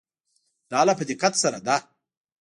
دا په لا دقت سره ده.